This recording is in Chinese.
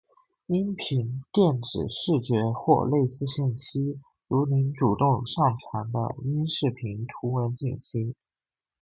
·音频、电子、视觉或类似信息。如您主动上传的音视频、图文信息。